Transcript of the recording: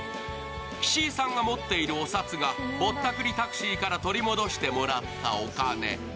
岸井さんが持っているお札がぼったくりタクシーから取り戻してもらったお金。